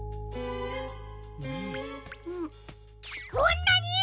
んこんなに！？